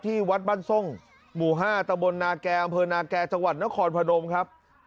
ที่วัดบ้านทรงหมู่๕ตะบลนาแก่อำเภอนาแก่จังหวัดนครพนมครับ